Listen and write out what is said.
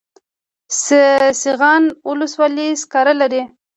سیغان ولسوالۍ سکاره لري؟